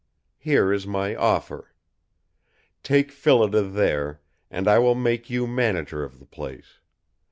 Here is my offer. Take Phillida there, and I will make you manager of the place.